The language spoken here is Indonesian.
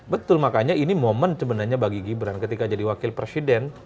betul makanya ini momen sebenarnya bagi gibran ketika jadi wakil presiden